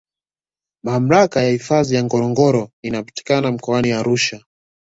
Mamlaka ya hifadhi ya ngorongoro inapatikana Mkoani Arusha